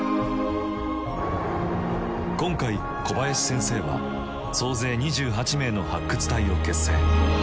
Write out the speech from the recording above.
今回小林先生は総勢２８名の発掘隊を結成。